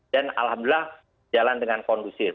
dan alhamdulillah jalan dengan kondusif